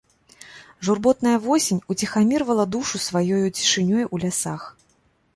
Журботная восень уціхамірвала душу сваёю цішынёй у лясах.